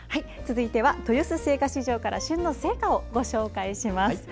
続いては豊洲青果市場から旬の青果をご紹介します。